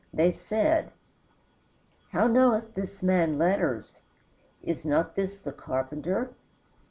They said, "How knoweth this man letters? Is not this the carpenter?"